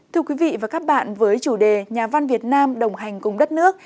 thưa quý vị và các bạn với chủ đề nhà văn việt nam đồng hành cùng đất nước